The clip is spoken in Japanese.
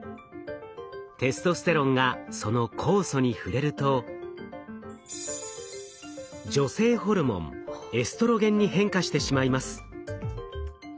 テストステロンがその酵素に触れると女性ホルモンエストロゲンに変化してしまいます。